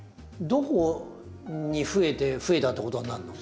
どこにふえてふえたってことになるの？